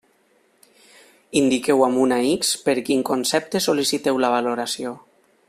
Indiqueu amb una X per quin concepte sol·liciteu la valoració.